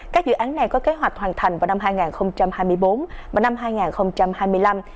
các dự án này có kế hoạch hoàn thành vào năm hai nghìn hai mươi bốn và năm hai nghìn hai mươi năm